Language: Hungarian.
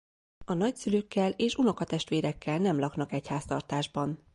A nagyszülőkkel és unokatestvérekkel nem laknak egy háztartásban.